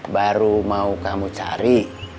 baru mau kamu cari